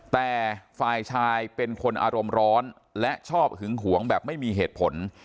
แต่ฝ่ายชายเป็นคนอารมณ์ร้อนและชอบหึงหวงแบบไม่มีเหตุผล